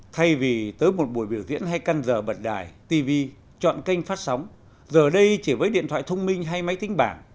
thay vì tới một buổi biểu diễn hay căn dờ bật đài tv chọn kênh phát sóng giờ đây chỉ với điện thoại thông minh hay máy tính bảng